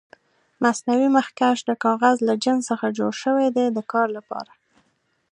مصنوعي مخکش د کاغذ له جنس څخه جوړ شوي دي د کار لپاره.